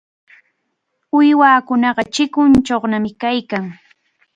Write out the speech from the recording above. Uywakunaqa chikunchawnami kaykan.